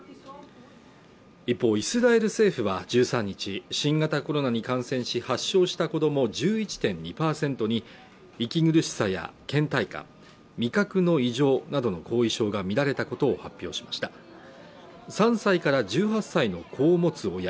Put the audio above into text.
一方イスラエル政府は１３日新型コロナに感染し発症した子ども１１．２％に息苦しさや倦怠感味覚の異常などの後遺症がみられたことを発表しました３歳から１８歳の子を持つ親